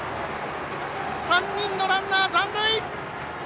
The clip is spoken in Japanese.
３人のランナー残塁。